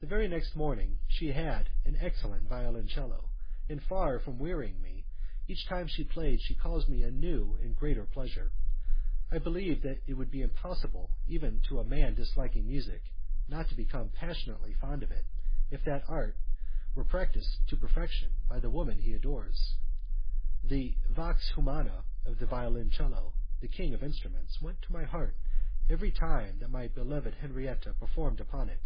The very next morning she had an excellent violoncello, and, far from wearying me, each time she played she caused me a new and greater pleasure. I believe that it would be impossible even to a man disliking music not to become passionately fond of it, if that art were practised to perfection by the woman he adores. The 'vox humana' of the violoncello; the king of instruments, went to my heart every time that my beloved Henriette performed upon it.